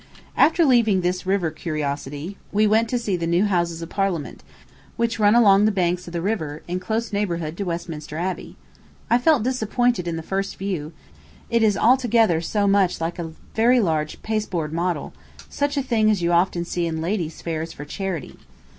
After leaving this river curiosity, we went to see the new Houses of Parliament, which run along the banks of the river, in close neighborhood to Westminster Abbey. I felt disappointed at the first view, it is altogether so much like a very large pasteboard model such a thing as you often see in ladies' fairs for charity.